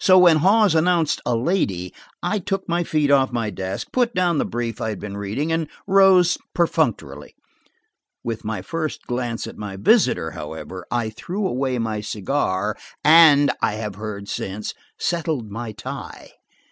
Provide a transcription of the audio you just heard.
So when Hawes announced a lady, I took my feet off my desk, put down the brief I had been reading, and rose perfunctorily. With my first glance at my visitor, however, I threw away my cigar, and I have heard since, settled my tie.